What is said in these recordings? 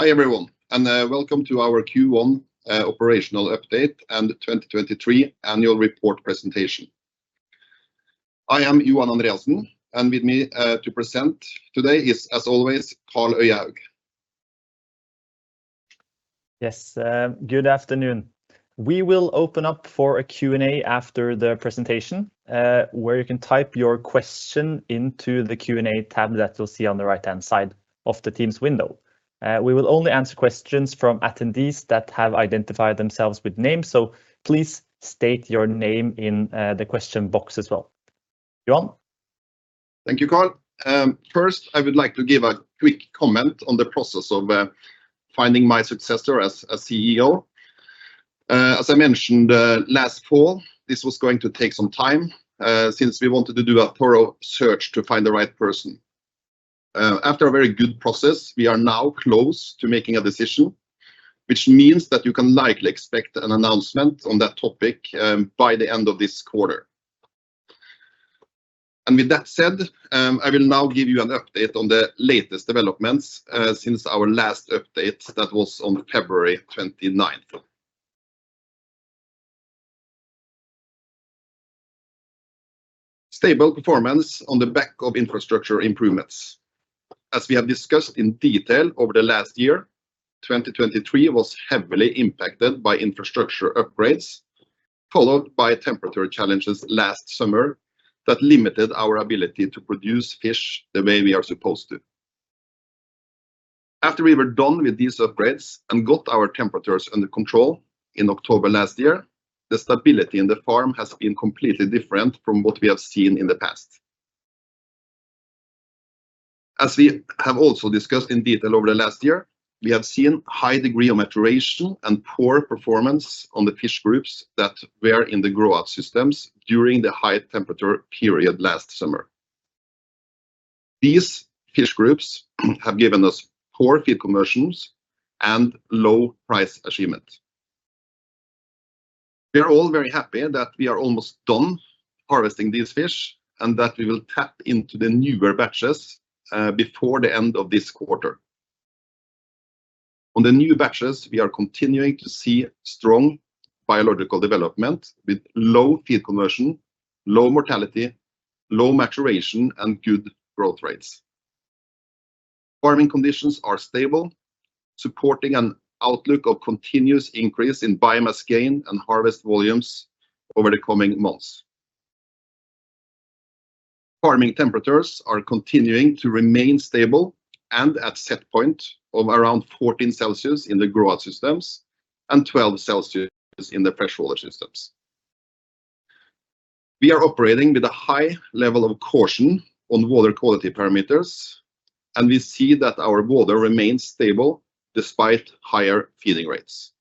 Hi, everyone, and welcome to our Q1 operational update and the 2023 annual report presentation. I am Johan Andreassen, and with me to present today is, as always, Carl Øyaug. Yes. Good afternoon. We will open up for a Q&A after the presentation, where you can type your question into the Q&A tab that you'll see on the right-hand side of the Teams window. We will only answer questions from attendees that have identified themselves with names, please state your name in the question box as well. Johan? Thank you, Carl. First, I would like to give a quick comment on the process of finding my successor as CEO. As I mentioned last fall, this was going to take some time since we wanted to do a thorough search to find the right person. After a very good process, we are now close to making a decision, which means that you can likely expect an announcement on that topic by the end of this quarter. With that said, I will now give you an update on the latest developments since our last update that was on February 29th. Stable performance on the back of infrastructure improvements. As we have discussed in detail over the last year, 2023 was heavily impacted by infrastructure upgrades, followed by temperature challenges last summer that limited our ability to produce fish the way we are supposed to. After we were done with these upgrades and got our temperatures under control in October last year, the stability in the farm has been completely different from what we have seen in the past. As we have also discussed in detail over the last year, we have seen high degree of maturation and poor performance on the fish groups that were in the grow-out systems during the high temperature period last summer. These fish groups have given us poor feed conversions and low price achievement. We are all very happy that we are almost done harvesting these fish, and that we will tap into the newer batches before the end of this quarter. On the new batches, we are continuing to see strong biological development with low feed conversion, low mortality, low maturation, and good growth rates. Farming conditions are stable, supporting an outlook of continuous increase in biomass gain and harvest volumes over the coming months. Farming temperatures are continuing to remain stable and at set point of around 14 degrees Celsius in the grow-out systems and 12 degrees Celsius in the freshwater systems. We are operating with a high level of caution on water quality parameters, and we see that our water remains stable despite higher feeding rates.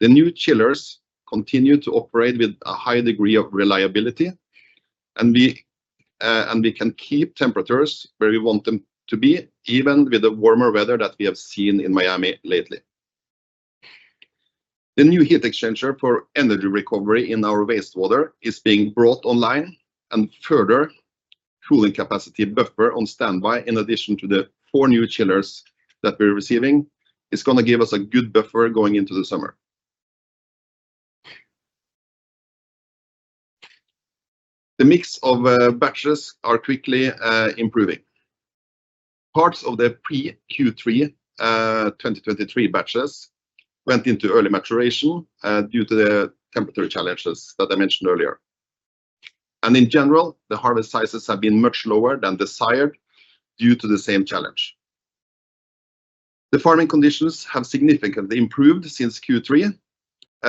The new chillers continue to operate with a high degree of reliability, and we can keep temperatures where we want them to be, even with the warmer weather that we have seen in Miami lately. The new heat exchanger for energy recovery in our wastewater is being brought online and further cooling capacity buffer on standby in addition to the four new chillers that we're receiving. It's going to give us a good buffer going into the summer. The mix of batches are quickly improving. Parts of the pre-Q3 2023 batches went into early maturation due to the temperature challenges that I mentioned earlier. And in general, the harvest sizes have been much lower than desired due to the same challenge. The farming conditions have significantly improved since Q3,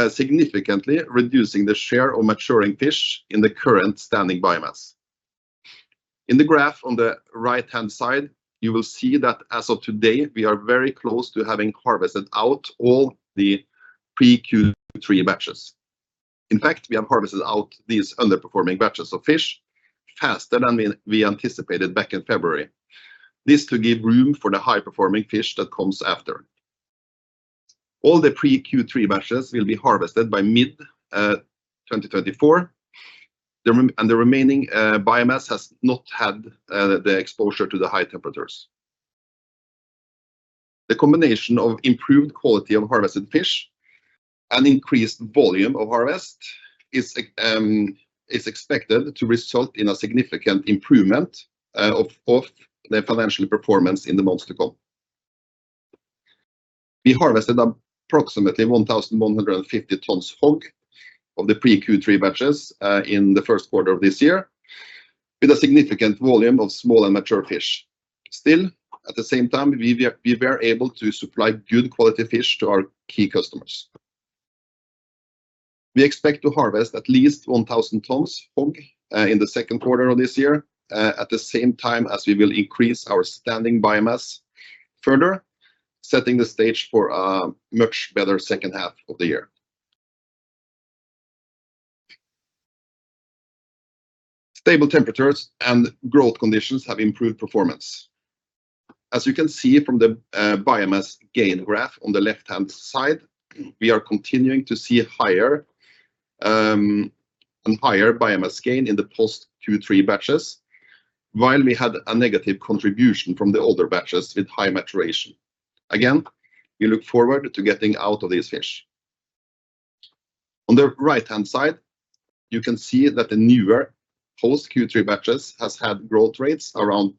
significantly reducing the share of maturing fish in the current standing biomass. In the graph on the right-hand side, you will see that as of today, we are very close to having harvested out all the pre-Q3 batches. In fact, we have harvested out these underperforming batches of fish faster than we anticipated back in February. This to give room for the high-performing fish that comes after. All the pre-Q3 batches will be harvested by mid-2024, and the remaining biomass has not had the exposure to the high temperatures. The combination of improved quality of harvested fish and increased volume of harvest is expected to result in a significant improvement of the financial performance in the months to come. We harvested approximately 1,150 tons HOG of the pre-Q3 batches in the first quarter of this year, with a significant volume of small and mature fish. Still, at the same time, we were able to supply good quality fish to our key customers. We expect to harvest at least 1,000 tons HOG in the second quarter of this year, at the same time as we will increase our standing biomass further, setting the stage for a much better second half of the year. Stable temperatures and growth conditions have improved performance. Higher biomass gain in the post Q3 batches, while we had a negative contribution from the older batches with high maturation. Again, we look forward to getting out of these fish. On the right-hand side, you can see that the newer post Q3 batches has had growth rates around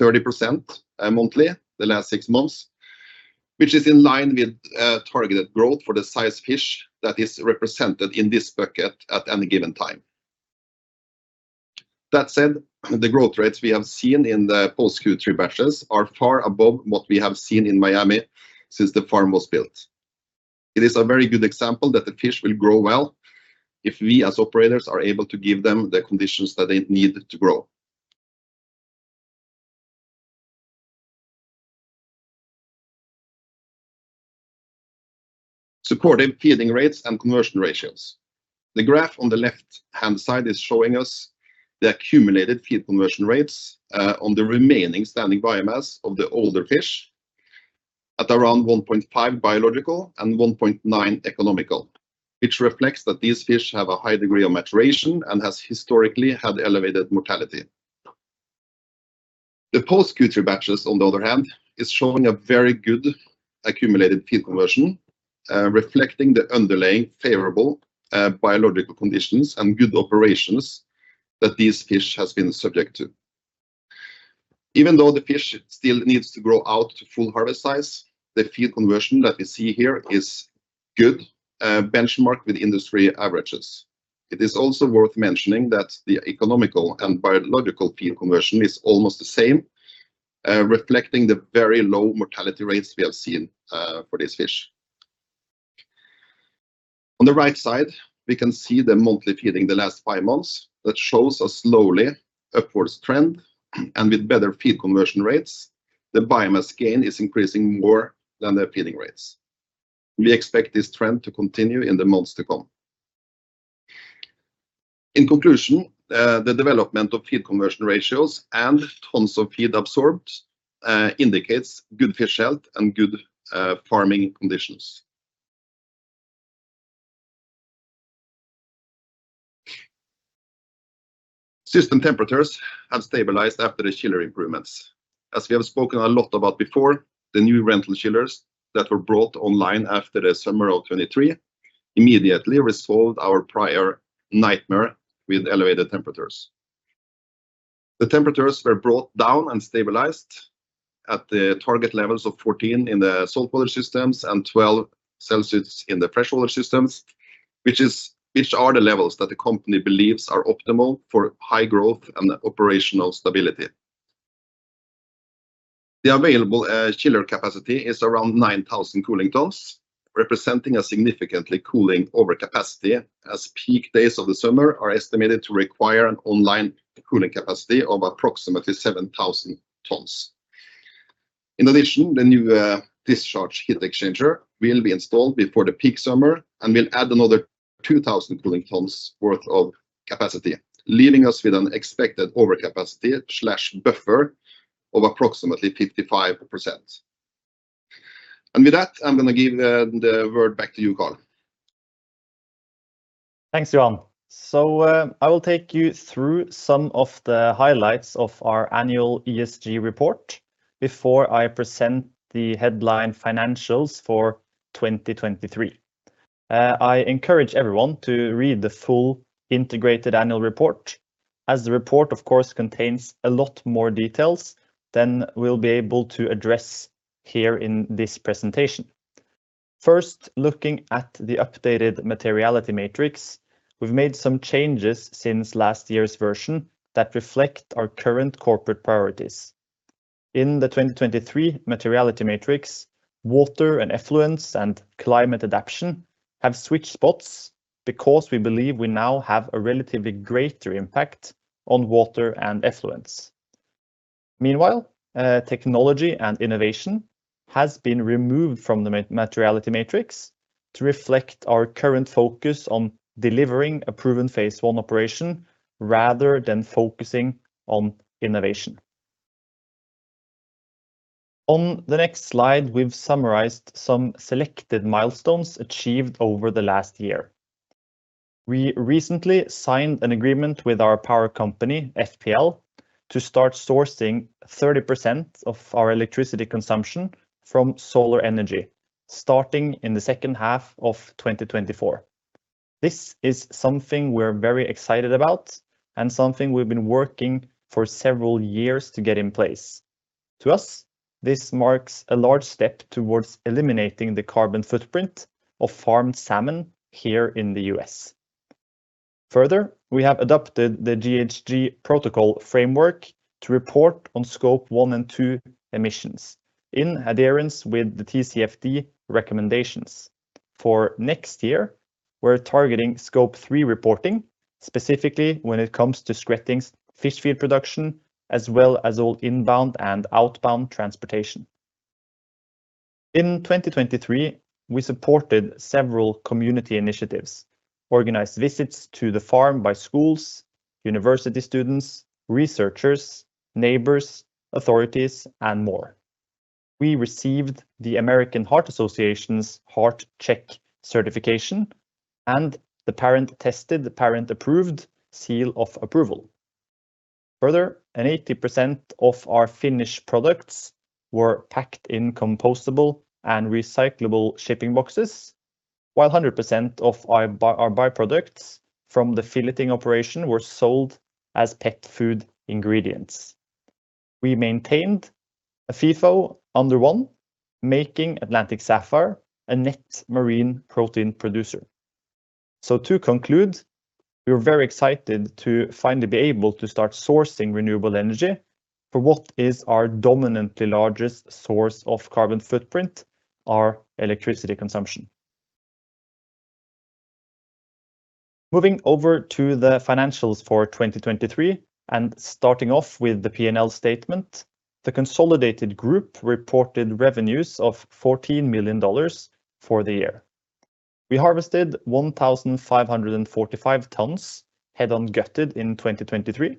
30% monthly the last six months, which is in line with targeted growth for the size fish that is represented in this bucket at any given time. That said, the growth rates we have seen in the post Q3 batches are far above what we have seen in Miami since the farm was built. It is a very good example that the fish will grow well if we as operators are able to give them the conditions that they need to grow. Supportive feeding rates and conversion ratios. The graph on the left-hand side is showing us the accumulated feed conversion rates, on the remaining standing biomass of the older fish at around 1.5 biological and 1.9 economical, which reflects that these fish have a high degree of maturation and has historically had elevated mortality. The post Q3 batches on the other hand are showing a very good accumulated feed conversion, reflecting the underlying favorable biological conditions and good operations that these fish have been subject to. Even though the fish still needs to grow out to full harvest size, the feed conversion that we see here is good, benchmarked with industry averages. It is also worth mentioning that the economical and biological feed conversion is almost the same, reflecting the very low mortality rates we have seen for this fish. On the right side, we can see the monthly feeding the last five months. That shows a slowly upwards trend and with better feed conversion rates, the biomass gain is increasing more than the feeding rates. We expect this trend to continue in the months to come. In conclusion, the development of feed conversion ratios and tons of feed absorbed, indicates good fish health and good farming conditions. System temperatures have stabilized after the chiller improvements. As we have spoken a lot about before, the new rental chillers that were brought online after the summer of 2023 immediately resolved our prior nightmare with elevated temperatures. The temperatures were brought down and stabilized at the target levels of 14 degrees Celsius in the saltwater systems and 12 degrees Celsius in the freshwater systems, which are the levels that the company believes are optimal for high growth and operational stability. The available chiller capacity is around 9,000 cooling tons, representing a significant cooling over capacity as peak days of the summer are estimated to require an online cooling capacity of approximately 7,000 tons. In addition, the new discharge heat exchanger will be installed before the peak summer and will add another 2,000 cooling tons worth of capacity, leaving us with an expected overcapacity/buffer of approximately 55%. With that, I'm going to give the word back to you, Karl. Thanks, Johan. I will take you through some of the highlights of our annual ESG report before I present the headline financials for 2023. I encourage everyone to read the full integrated annual report, as the report of course contains a lot more details than we'll be able to address here in this presentation. First, looking at the updated materiality matrix, we've made some changes since last year's version that reflect our current corporate priorities. In the 2023 materiality matrix, water and effluence and climate adaptation have switched spots because we believe we now have a relatively greater impact on water and effluence. Meanwhile, technology and innovation has been removed from the materiality matrix to reflect our current focus on delivering a proven phase one operation rather than focusing on innovation. On the next slide, we've summarized some selected milestones achieved over the last year. We recently signed an agreement with our power company, FPL, to start sourcing 30% of our electricity consumption from solar energy starting in the second half of 2024. This is something we're very excited about and something we've been working for several years to get in place. To us, this marks a large step towards eliminating the carbon footprint of farmed salmon here in the U.S. Further, we have adopted the GHG Protocol framework to report on scope 1 and 2 emissions in adherence with the TCFD recommendations. For next year, we're targeting scope 3 reporting, specifically when it comes to Skretting's fish feed production, as well as all inbound and outbound transportation. In 2023, we supported several community initiatives, organized visits to the farm by schools, university students, researchers, neighbors, authorities, and more. We received the American Heart Association's Heart-Check Certification and the Parent Tested, Parent Approved seal of approval. Further, 80% of our finished products were packed in compostable and recyclable shipping boxes, while 100% of our byproducts from the filleting operation were sold as pet food ingredients. We maintained a FIFO under one, making Atlantic Sapphire a net marine protein producer. To conclude, we are very excited to finally be able to start sourcing renewable energy for what is our dominantly largest source of carbon footprint, our electricity consumption. Moving over to the financials for 2023 and starting off with the P&L statement, the consolidated group reported revenues of $14 million for the year. We harvested 1,545 tons head-on gutted in 2023,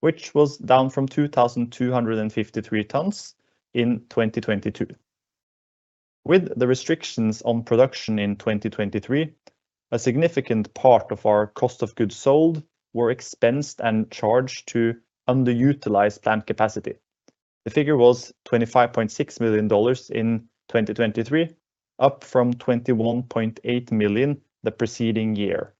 which was down from 2,253 tons in 2022. With the restrictions on production in 2023, a significant part of our cost of goods sold were expensed and charged to underutilized plant capacity. The figure was $25.6 million in 2023, up from $21.8 million the preceding year.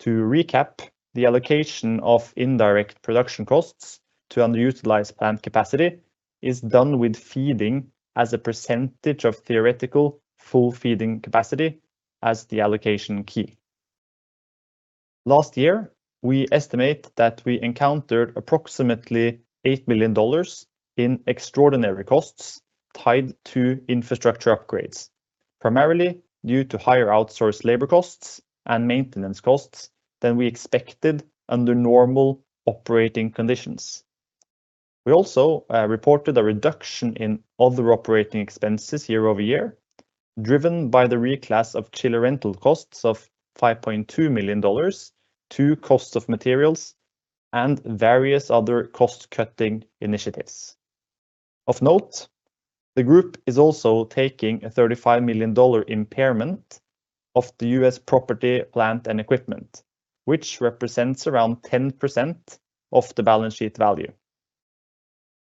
To recap, the allocation of indirect production costs to underutilized plant capacity is done with feeding as a percentage of theoretical full feeding capacity as the allocation key. Last year, we estimate that we encountered approximately $8 million in extraordinary costs tied to infrastructure upgrades, primarily due to higher outsourced labor costs and maintenance costs than we expected under normal operating conditions. We also reported a reduction in other operating expenses year-over-year, driven by the reclass of chiller rental costs of $5.2 million to costs of materials and various other cost-cutting initiatives. Of note, the group is also taking a $35 million impairment of the U.S. property, plant, and equipment, which represents around 10% of the balance sheet value.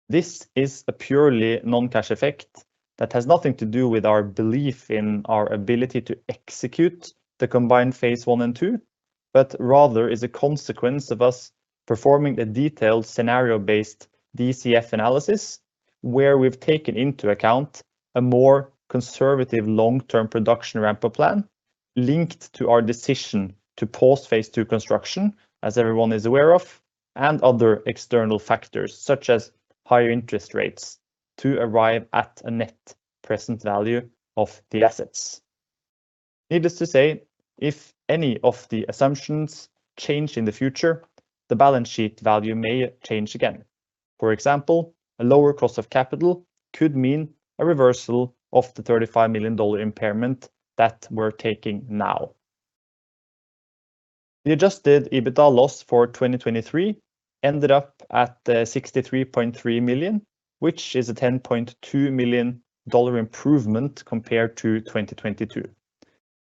This is a purely non-cash effect that has nothing to do with our belief in our ability to execute the combined Phase 1 and 2, but rather is a consequence of us performing a detailed scenario-based DCF analysis where we've taken into account a more conservative long-term production ramp-up plan linked to our decision to pause Phase 2 construction, as everyone is aware of, and other external factors such as higher interest rates to arrive at a net present value of the assets. Needless to say, if any of the assumptions change in the future, the balance sheet value may change again. For example, a lower cost of capital could mean a reversal of the $35 million impairment that we're taking now. The adjusted EBITDA loss for 2023 ended up at $63.3 million, which is a $10.2 million improvement compared to 2022.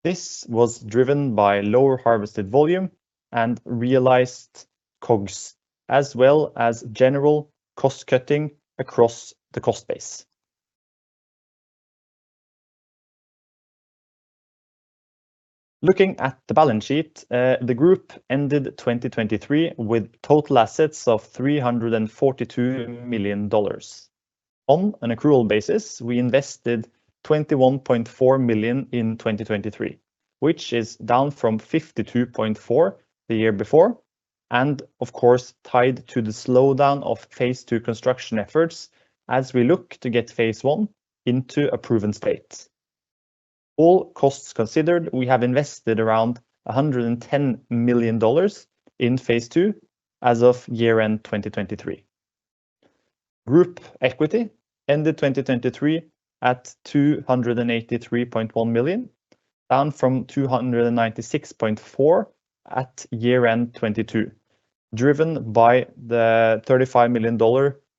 This was driven by lower harvested volume and realized COGS, as well as general cost-cutting across the cost base. Looking at the balance sheet, the group ended 2023 with total assets of $342 million. On an accrual basis, we invested $21.4 million in 2023, which is down from $52.4 the year before and of course, tied to the slowdown of Phase 2 construction efforts as we look to get Phase 1 into a proven state. All costs considered, we have invested around $110 million in Phase 2 as of year-end 2023. Group equity ended 2023 at $283.1 million, down from $296.4 at year-end 2022, driven by the $35 million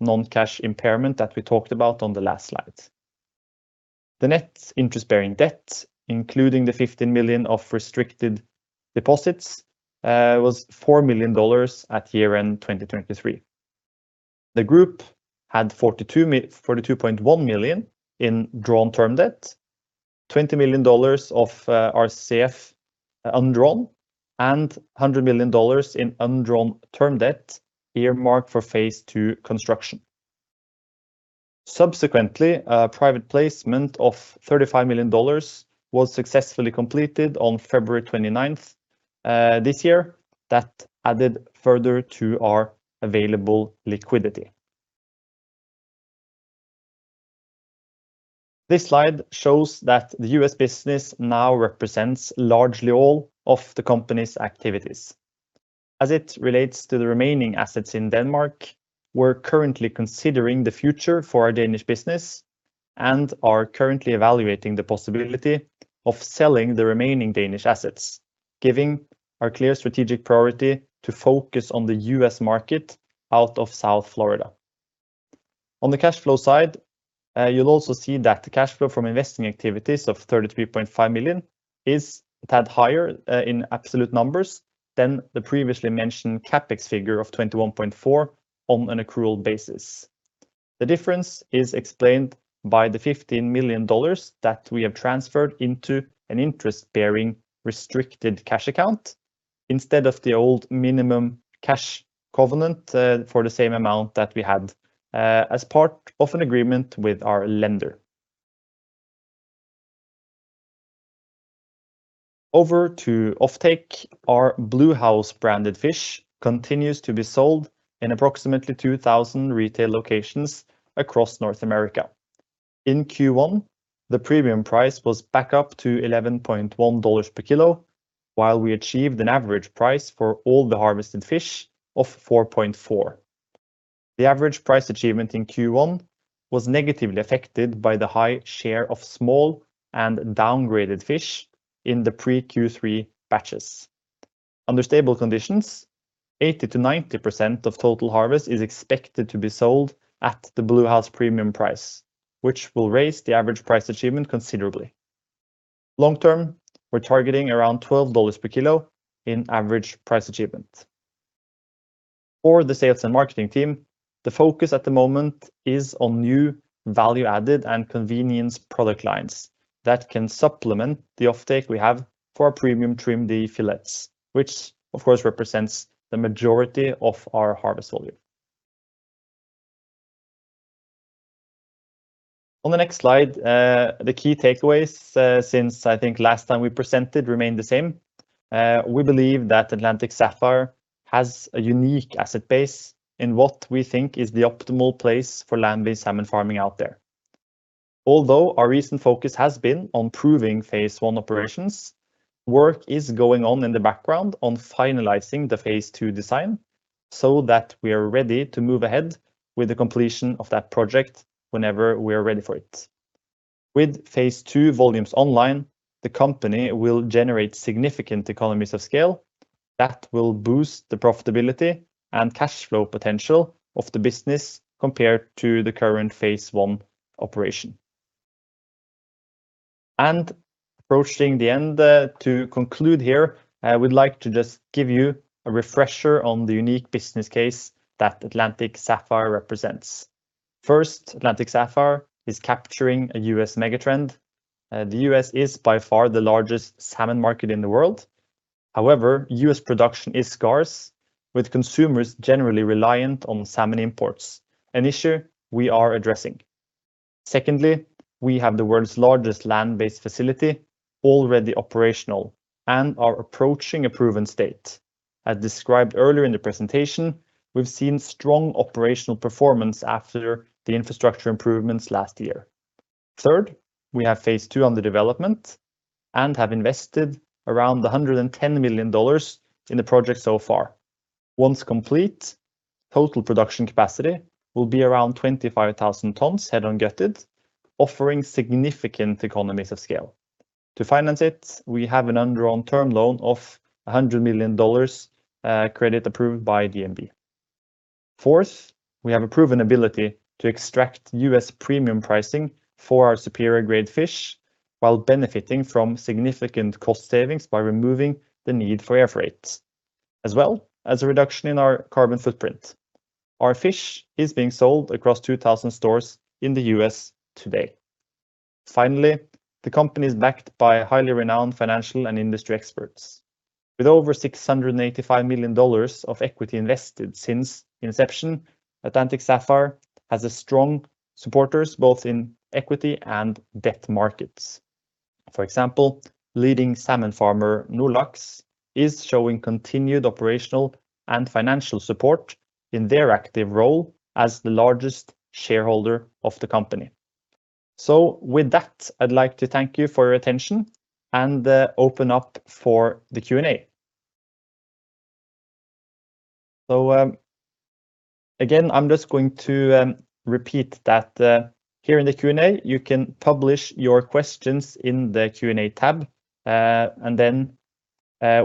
non-cash impairment that we talked about on the last slide. The net interest-bearing debt, including the $15 million of restricted deposits, was $4 million at year-end 2023. The group had $42.1 million in drawn term debt, $20 million of our CF undrawn, and $100 million in undrawn term debt earmarked for Phase 2 construction. Subsequently, a private placement of $35 million was successfully completed on February 29th this year that added further to our available liquidity. This slide shows that the U.S. business now represents largely all of the company's activities. As it relates to the remaining assets in Denmark, we're currently considering the future for our Danish business and are currently evaluating the possibility of selling the remaining Danish assets, giving our clear strategic priority to focus on the U.S. market out of South Florida. On the cash flow side, you'll also see that the cash flow from investing activities of $33.5 million is a tad higher in absolute numbers than the previously mentioned CapEx figure of $21.4 million on an accrual basis. The difference is explained by the $15 million that we have transferred into an interest-bearing restricted cash account instead of the old minimum cash covenant for the same amount that we had as part of an agreement with our lender. Over to offtake, our Bluehouse branded fish continues to be sold in approximately 2,000 retail locations across North America. In Q1, the premium price was back up to $11.1 per kilo, while we achieved an average price for all the harvested fish of $4.4. The average price achievement in Q1 was negatively affected by the high share of small and downgraded fish in the pre-Q3 batches. Under stable conditions, 80%-90% of total harvest is expected to be sold at the Bluehouse premium price, which will raise the average price achievement considerably. Long-term, we're targeting around $12 per kilo in average price achievement. For the sales and marketing team, the focus at the moment is on new value-added and convenience product lines that can supplement the offtake we have for our premium trimmed fillets, which of course represents the majority of our harvest volume. On the next slide, the key takeaways since I think last time we presented remain the same. We believe that Atlantic Sapphire has a unique asset base in what we think is the optimal place for land-based salmon farming out there. Although our recent focus has been on improving phase one operations, work is going on in the background on finalizing the phase two design so that we are ready to move ahead with the completion of that project whenever we are ready for it. With phase two volumes online, the company will generate significant economies of scale that will boost the profitability and cash flow potential of the business compared to the current phase one operation. Approaching the end, to conclude here, I would like to just give you a refresher on the unique business case that Atlantic Sapphire represents. First, Atlantic Sapphire is capturing a U.S. mega trend. The U.S. is by far the largest salmon market in the world. However, U.S. production is scarce, with consumers generally reliant on salmon imports, an issue we are addressing. Secondly, we have the world's largest land-based facility already operational and are approaching a proven state. As described earlier in the presentation, we've seen strong operational performance after the infrastructure improvements last year. Third, we have phase two under development and have invested around $110 million in the project so far. Once complete, total production capacity will be around 25,000 tonnes head on gutted, offering significant economies of scale. To finance it, we have an undrawn term loan of $100 million credit approved by DNB. Fourth, we have a proven ability to extract U.S. premium pricing for our superior grade fish while benefiting from significant cost savings by removing the need for air freight, as well as a reduction in our carbon footprint. Our fish is being sold across 2,000 stores in the U.S. today. Finally, the company is backed by highly renowned financial and industry experts. With over $685 million of equity invested since inception, Atlantic Sapphire has strong supporters both in equity and debt markets. For example, leading salmon farmer Nordlaks is showing continued operational and financial support in their active role as the largest shareholder of the company. With that, I'd like to thank you for your attention and open up for the Q&A. Again, I'm just going to repeat that here in the Q&A, you can publish your questions in the Q&A tab, and then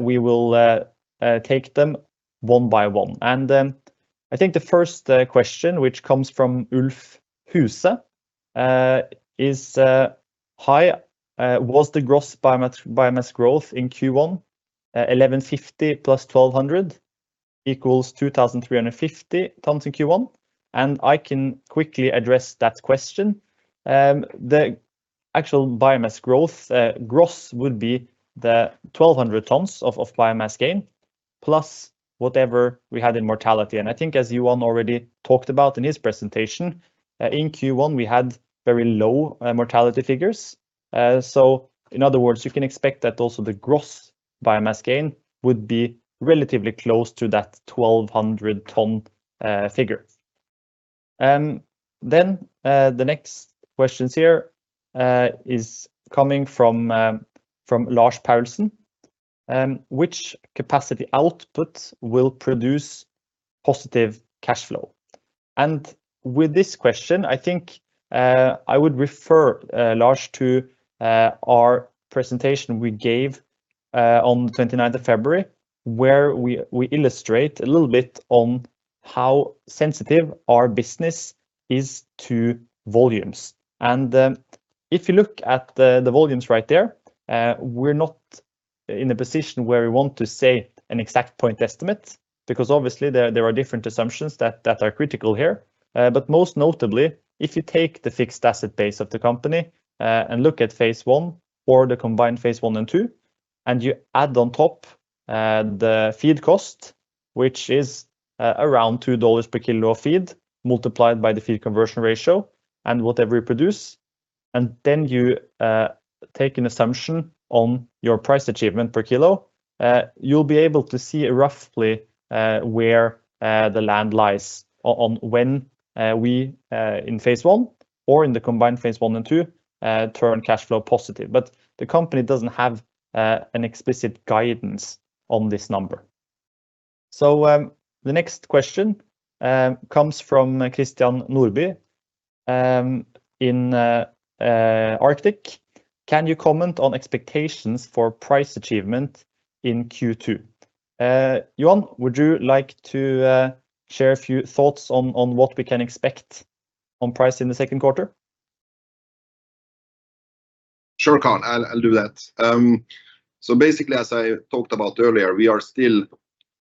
we will take them one by one. I think the first question, which comes from Ulf Husa, is, "Hi, was the gross biomass growth in Q1 1,150 plus 1,200 equals 2,350 tons in Q1?" I can quickly address that question. The actual biomass growth, gross would be the 1,200 tonnes of biomass gain, plus whatever we had in mortality. I think as Johan already talked about in his presentation, in Q1, we had very low mortality figures. In other words, you can expect that also the gross biomass gain would be relatively close to that 1,200-tonne figure. The next questions here is coming from Lars Patterson. "Which capacity output will produce positive cash flow?" With this question, I think I would refer, Lars, to our presentation we gave on the 29th of February, where we illustrate a little bit on how sensitive our business is to volumes. If you look at the volumes right there, we're not in a position where we want to say an exact point estimate, because obviously there are different assumptions that are critical here. Most notably, if you take the fixed asset base of the company and look at phase one or the combined phase one and two, and you add on top the feed cost, which is around $2 per kilo of feed, multiplied by the feed conversion ratio and whatever we produce, then you take an assumption on your price achievement per kilo, you'll be able to see roughly where the land lies on when we, in phase one or in the combined phase one and two, turn cash flow positive. The company doesn't have an explicit guidance on this number. The next question comes from Christian Norby in Arctic Securities. Can you comment on expectations for price achievement in Q2? Johan, would you like to share a few thoughts on what we can expect on price in the second quarter? Sure, Carl, I'll do that. Basically, as I talked about earlier, we are still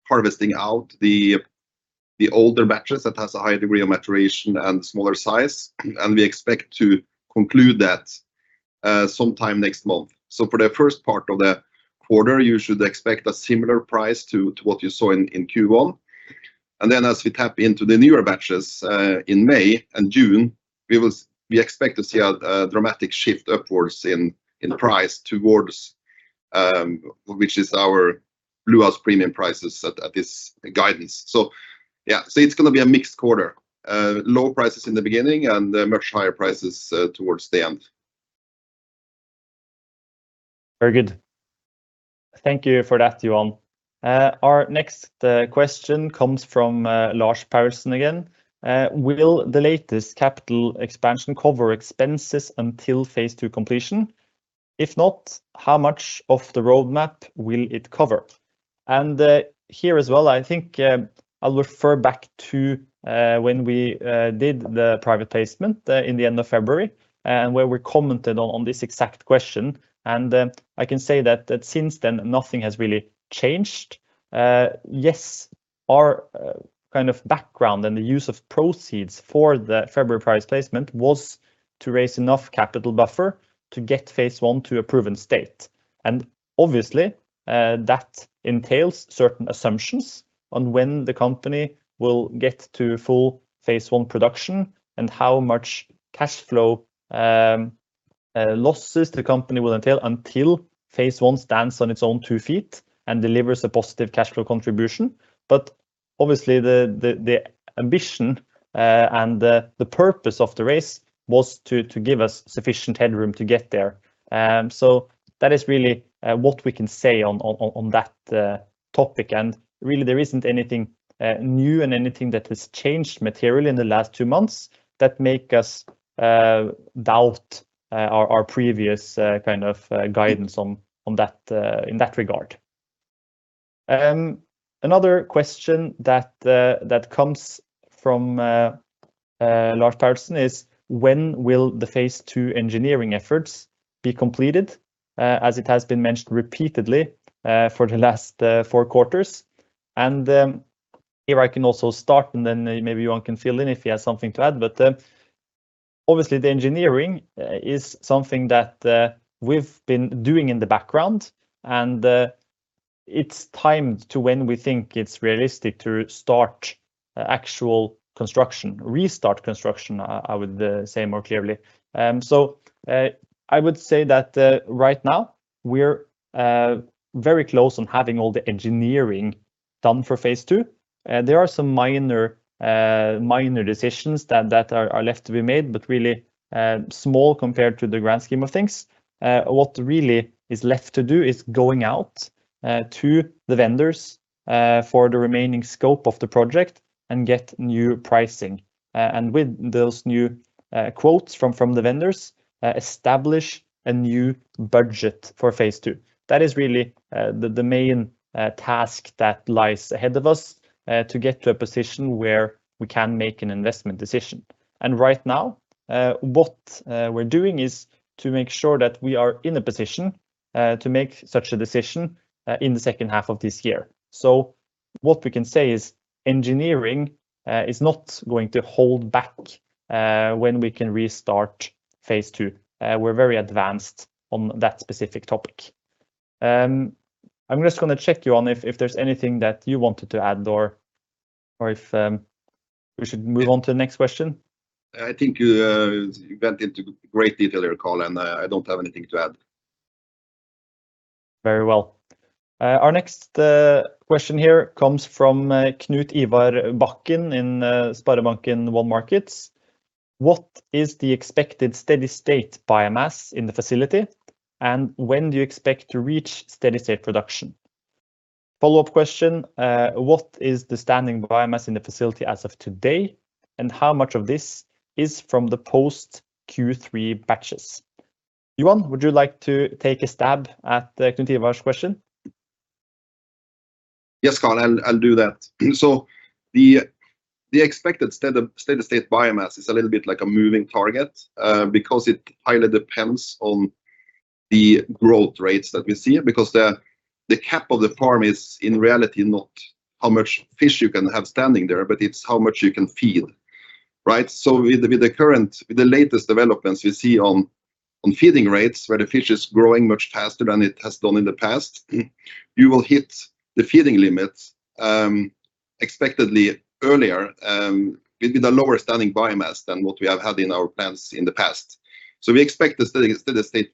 harvesting out the older batches that has a high degree of maturation and smaller size, and we expect to conclude that sometime next month. For the first part of the quarter, you should expect a similar price to what you saw in Q1. Then as we tap into the newer batches, in May and June, we expect to see a dramatic shift upwards in price towards, which is our Bluehouse premium prices at this guidance. Yeah. It's going to be a mixed quarter. Low prices in the beginning and much higher prices towards the end. Very good. Thank you for that, Johan. Our next question comes from Lars Patterson again. Will the latest capital expansion cover expenses until phase two completion? If not, how much of the roadmap will it cover? Here as well, I think I'll refer back to when we did the private placement in the end of February and where we commented on this exact question, and I can say that since then, nothing has really changed. Yes, our kind of background and the use of proceeds for the February price placement was to raise enough capital buffer to get phase one to a proven state. Obviously, that entails certain assumptions on when the company will get to full phase one production and how much cash flow losses the company will entail until phase one stands on its own two feet and delivers a positive cash flow contribution. Obviously the ambition and the purpose of the raise was to give us sufficient headroom to get there. That is really what we can say on that topic. Really there isn't anything new and anything that has changed materially in the last two months that make us doubt our previous kind of guidance in that regard. Another question that comes from Lars Patterson is, when will the phase two engineering efforts be completed, as it has been mentioned repeatedly for the last four quarters? Here I can also start and then maybe Johan can fill in if he has something to add. Obviously the engineering is something that we've been doing in the background and it's timed to when we think it's realistic to start actual construction, restart construction, I would say more clearly. I would say that right now we're very close on having all the engineering done for phase 2. There are some minor decisions that are left to be made, really small compared to the grand scheme of things. What really is left to do is going out to the vendors for the remaining scope of the project and get new pricing. With those new quotes from the vendors, establish a new budget for phase 2. That is really the main task that lies ahead of us to get to a position where we can make an investment decision. Right now, what we're doing is to make sure that we are in a position to make such a decision in the second half of this year. What we can say is engineering is not going to hold back when we can restart phase 2. We're very advanced on that specific topic. I'm just going to check, Johan, if there's anything that you wanted to add or if we should move on to the next question. I think you went into great detail there, Karl, I don't have anything to add. Very well. Our next question here comes from Knut Ivar Bakken in SpareBank 1 Markets. What is the expected steady state biomass in the facility, when do you expect to reach steady state production? Follow-up question: what is the standing biomass in the facility as of today, how much of this is from the post Q3 batches? Johan, would you like to take a stab at Knut Ivar's question? Yes, Karl, I'll do that. The expected steady-state biomass is a little bit like a moving target, because it highly depends on the growth rates that we see, because the CapEx of the farm is in reality not how much fish you can have standing there, but it's how much you can feed. Right? With the latest developments you see on feeding rates, where the fish is growing much faster than it has done in the past, you will hit the feeding limits expectedly earlier, with the lower standing biomass than what we have had in our plans in the past. We expect the steady-state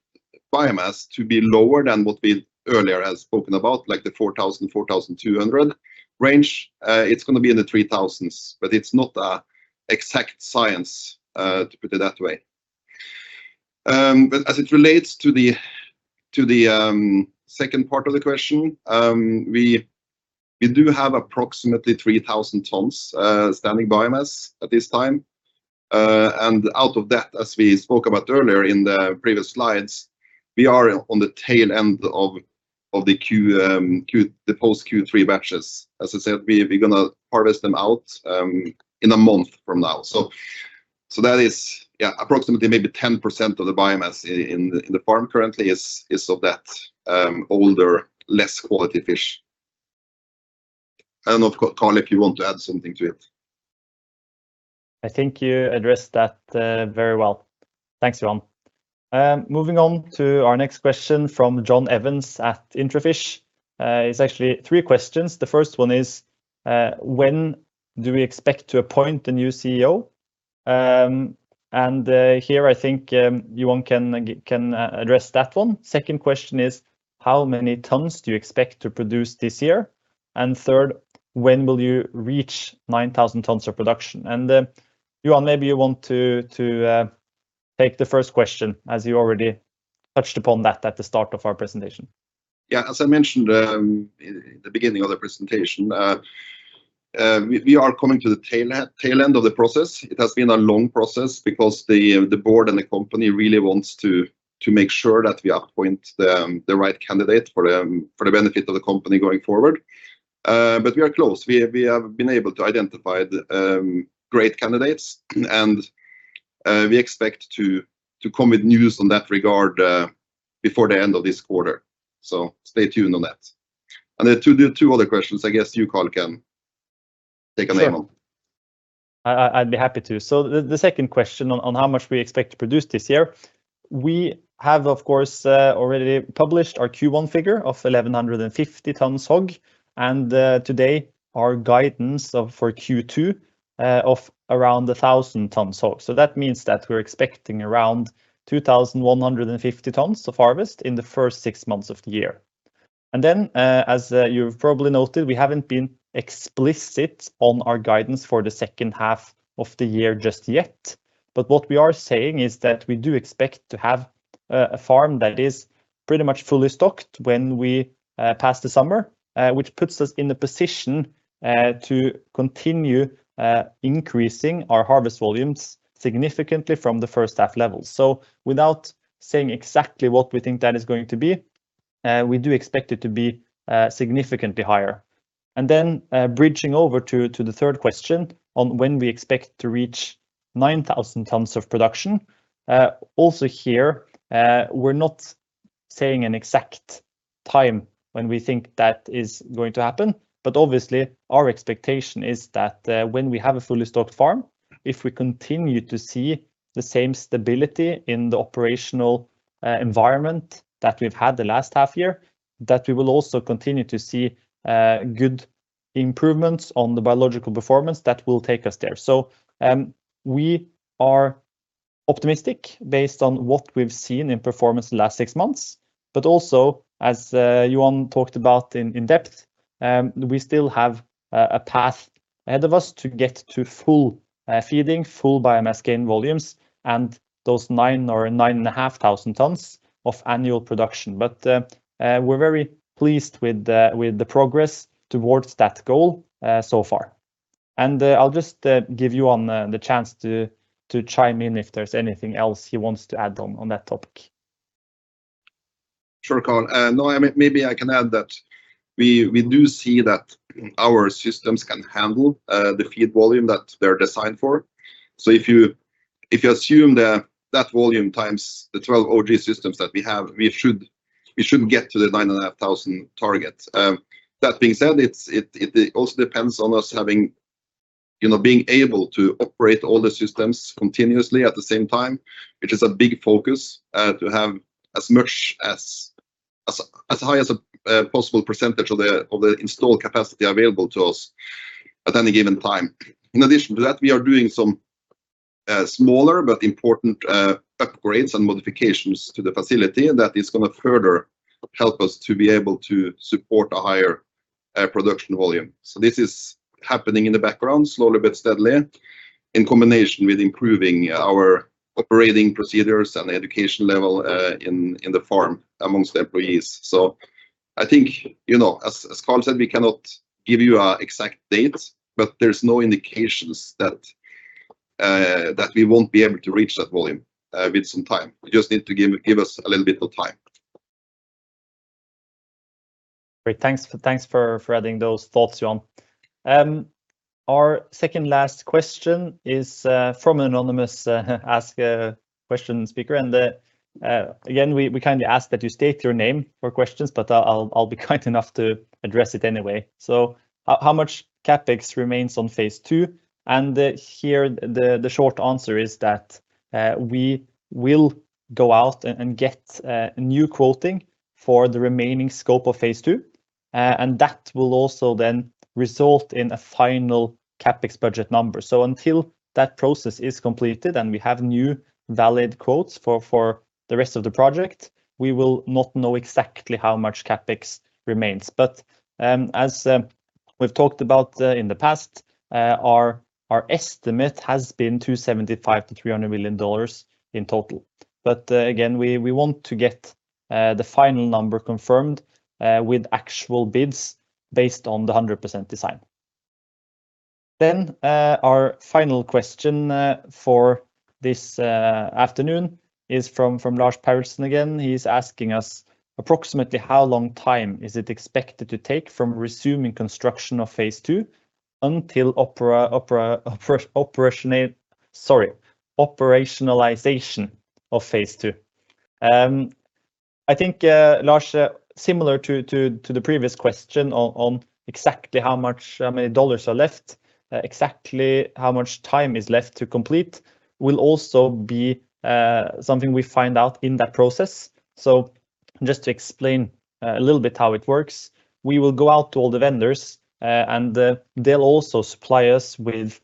biomass to be lower than what we earlier have spoken about, like the 4,000-4,200 range. It's going to be in the 3,000s, but it's not an exact science, to put it that way. As it relates to the second part of the question, we do have approximately 3,000 tons standing biomass at this time. And out of that, as we spoke about earlier in the previous slides, we are on the tail end of the post Q3 batches. As I said, we're going to harvest them out in a month from now. So that is approximately maybe 10% of the biomass in the farm currently is of that older, less quality fish. I don't know if, Karl, you want to add something to it. I think you addressed that very well. Thanks, Johan. Moving on to our next question from John Evans at IntraFish. It's actually three questions. The first one is: when do we expect to appoint a new CEO? And here, I think Johan can address that one. Second question is: how many tons do you expect to produce this year? And third: when will you reach 9,000 tons of production? Then Johan, maybe you want to take the first question, as you already touched upon that at the start of our presentation. As I mentioned in the beginning of the presentation, we are coming to the tail end of the process. It has been a long process because the board and the company really wants to make sure that we appoint the right candidate for the benefit of the company going forward. But we are close. We have been able to identify great candidates and we expect to come with news on that regard, before the end of this quarter. So stay tuned on that. The two other questions, I guess you, Karl, can take on. Sure. I'd be happy to. The second question on how much we expect to produce this year, we have, of course, already published our Q1 figure of 1,150 tons HOG, and today, our guidance for Q2 of around 1,000 tons HOG. That means that we're expecting around 2,150 tons of harvest in the first six months of the year. As you've probably noted, we haven't been explicit on our guidance for the second half of the year just yet. What we are saying is that we do expect to have a farm that is pretty much fully stocked when we pass the summer, which puts us in the position to continue increasing our harvest volumes significantly from the first half levels. Without saying exactly what we think that is going to be, we do expect it to be significantly higher. Bridging over to the third question on when we expect to reach 9,000 tons of production. Also here, we're not saying an exact time when we think that is going to happen. Obviously, our expectation is that when we have a fully stocked farm, if we continue to see the same stability in the operational environment that we've had the last half year, that we will also continue to see good improvements on the biological performance that will take us there. We are optimistic based on what we've seen in performance the last six months, but also, as Johan talked about in depth, we still have a path ahead of us to get to full feeding, full biomass gain volumes, and those nine or 9,500 tons of annual production. We're very pleased with the progress towards that goal so far. I'll just give Johan the chance to chime in if there's anything else he wants to add on that topic. Sure, Karl. Maybe I can add that we do see that our systems can handle the feed volume that they're designed for. If you assume that volume times the 12 OG systems that we have, we should get to the 9,500 target. That being said, it also depends on us being able to operate all the systems continuously at the same time, which is a big focus, to have as high as a possible percentage of the installed capacity available to us at any given time. In addition to that, we are doing some smaller but important upgrades and modifications to the facility that is going to further help us to be able to support a higher production volume. This is happening in the background slowly but steadily, in combination with improving our operating procedures and the education level in the farm amongst the employees. I think, as Carl Øyaug said, we cannot give you an exact date, but there's no indications that we won't be able to reach that volume with some time. You just need to give us a little bit of time. Great. Thanks for adding those thoughts, Johan. Our second last question is from an anonymous ask a question speaker. Again, we kindly ask that you state your name for questions, but I'll be kind enough to address it anyway. How much CapEx remains on phase two? Here, the short answer is that we will go out and get new quoting for the remaining scope of phase two, and that will also then result in a final CapEx budget number. Until that process is completed and we have new valid quotes for the rest of the project, we will not know exactly how much CapEx remains. As we've talked about in the past, our estimate has been NOK 275 million-NOK 300 million in total. Again, we want to get the final number confirmed with actual bids based on the 100% design. Our final question for this afternoon is from Lars Patterson again. He's asking us, "Approximately how long time is it expected to take from resuming construction of phase two until operationalization of phase two?" I think, Lars, similar to the previous question on exactly how many dollars are left, exactly how much time is left to complete will also be something we find out in that process. Just to explain a little bit how it works, we will go out to all the vendors, and they'll also supply us with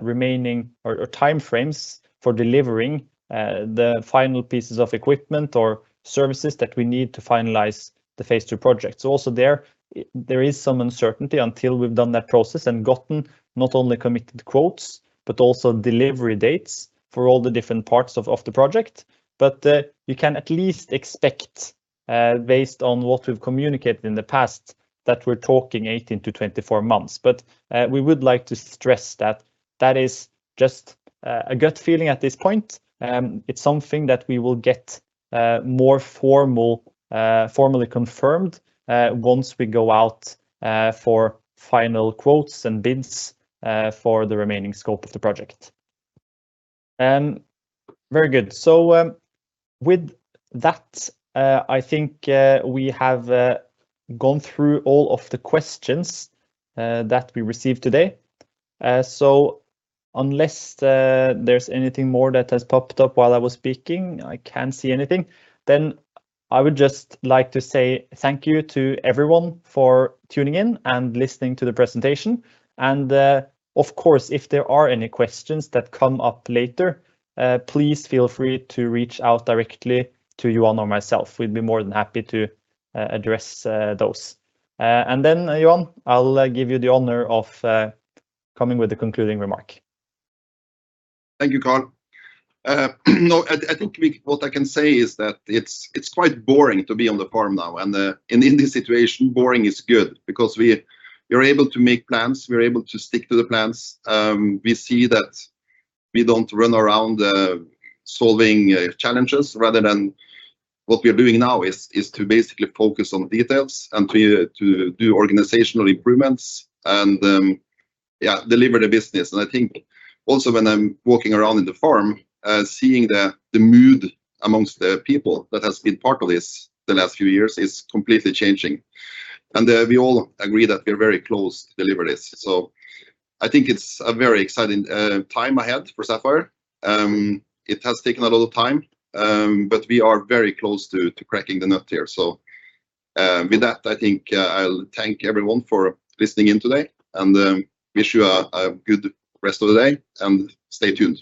remaining time frames for delivering the final pieces of equipment or services that we need to finalize the phase two project. Also there is some uncertainty until we've done that process and gotten not only committed quotes, but also delivery dates for all the different parts of the project. You can at least expect, based on what we've communicated in the past, that we're talking 18-24 months. We would like to stress that that is just a gut feeling at this point, it's something that we will get more formally confirmed once we go out for final quotes and bids for the remaining scope of the project. Very good. With that, I think we have gone through all of the questions that we received today. Unless there's anything more that has popped up while I was speaking, I can't see anything, then I would just like to say thank you to everyone for tuning in and listening to the presentation. Of course, if there are any questions that come up later, please feel free to reach out directly to Johan or myself. We'd be more than happy to address those. Johan, I'll give you the honor of coming with the concluding remark. Thank you, Karl. I think what I can say is that it's quite boring to be on the farm now. In this situation, boring is good because we are able to make plans, we're able to stick to the plans. We see that we don't run around solving challenges rather than what we are doing now is to basically focus on details and to do organizational improvements and deliver the business. I think also when I'm walking around in the farm, seeing the mood amongst the people that has been part of this the last few years is completely changing. We all agree that we're very close to deliver this. I think it's a very exciting time ahead for Sapphire. It has taken a lot of time, but we are very close to cracking the nut here. With that, I think I'll thank everyone for listening in today and wish you a good rest of the day and stay tuned